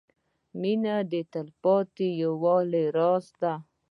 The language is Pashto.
• مینه د تلپاتې یووالي راز دی.